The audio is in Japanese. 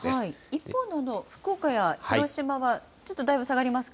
一方の福岡や広島はちょっとだいぶ下がりますか？